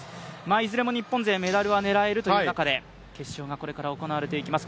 いずれも日本勢、メダルが狙えるという中で決勝がこれから行われます。